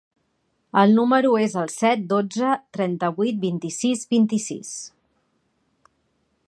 El meu número es el set, dotze, trenta-vuit, vint-i-sis, vint-i-sis.